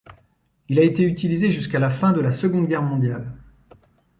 Il a été utilisé jusqu'à la fin de la seconde guerre mondiale.